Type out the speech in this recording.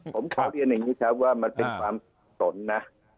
ผมขอเรียนอย่างนี้ครับว่ามันเป็นความสนนะ